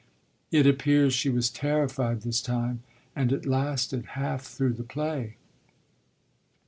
It appears she was terrified this time, and it lasted half through the play."